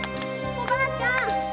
おばあちゃん！